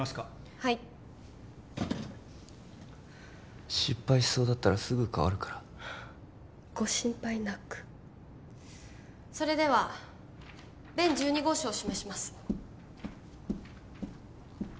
はい失敗しそうだったらすぐ代わるからご心配なくそれでは弁１２号証を示します